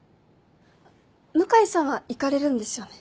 向井さんは行かれるんですよね？